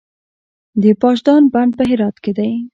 د پاشدان بند په هرات کې دی